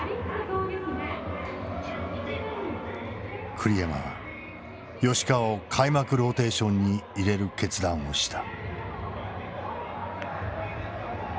栗山は吉川を開幕ローテーションに入れる決断をした。